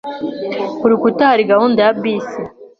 Ku rukuta hari gahunda ya bisi.